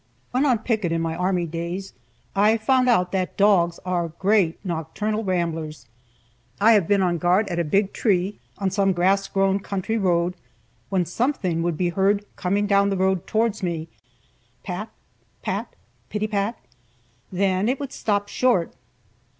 When on picket in my army days I found out that dogs are great nocturnal ramblers. I have been on guard at a big tree, on some grass grown country road, when something would be heard coming down the road towards me; pat, pat, pitty pat, then it would stop short.